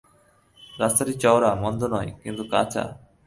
রাস্তাটি চওড়া মন্দ নয়, কিন্তু কাঁচা।